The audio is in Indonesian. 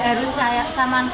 apa aja boleh